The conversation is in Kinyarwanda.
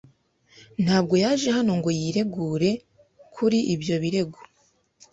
Ntabwo yaje hano ngo yiregure kuri ibyo birego.